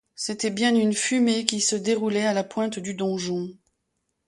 C’était bien une fumée qui se déroulait à la pointe du donjon.